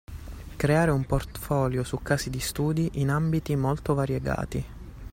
Creare un portfolio su casi di studi in ambiti molto variegati.